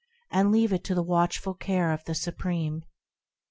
And leave it to the watchful care of the Supreme.